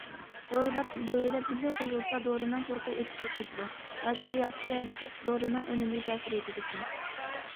دورىلار دۆۋىلەپ بىللە قويۇلسا دورىنىڭ پۇرىقى ئۆتۈشۈپ كېتىدۇ ياكى رېئاكسىيەلىشىپ دورىنىڭ ئۈنۈمىگە تەسىر يېتىدىكەن.